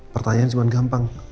pertanyaan cuman gampang